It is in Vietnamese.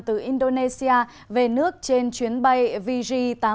từ indonesia về nước trên chuyến bay vg tám trăm tám mươi hai